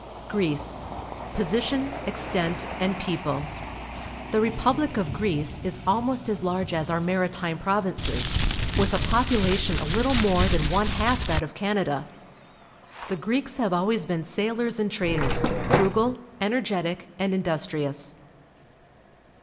GREECE (r y^ Position, Extent, and People. — The re public of Greece is almost as large as our Maritime Provinces, with a population a little more than one half that of Canada. The Greeks have always been sailors and traders, frugal, energetic, and industrious.